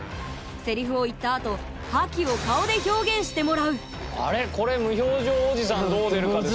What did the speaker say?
セリフを言った後覇気を顔で表現してもらうあれこれ無表情おじさんどう出るかですよね。